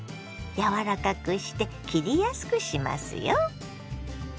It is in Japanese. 柔らかくして切りやすくしますよ。